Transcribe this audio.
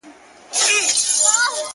د اجل قاصد نیژدې سو کور یې وران سو٫